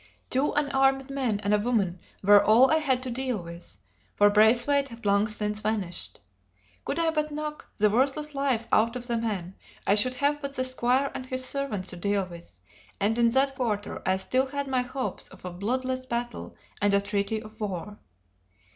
Two unarmed men and a woman were all I had to deal with, for Braithwaite had long since vanished. Could I but knock the worthless life out of the men, I should have but the squire and his servants to deal with; and in that quarter I still had my hopes of a bloodless battle and a treaty of war.